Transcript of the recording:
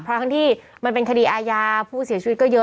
ทั้งที่มันเป็นคดีอาญาผู้เสียชีวิตก็เยอะ